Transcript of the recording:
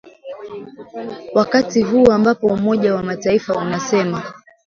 wakati huu ambapo Umoja wa Mataifa unasema